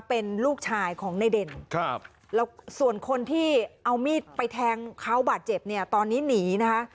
เป็นลูกชายของในเด่นครับแล้วส่วนคนที่เอามีดไปแทงเขาบาดเจ็บเนี่ยตอนนี้หนีนะคะ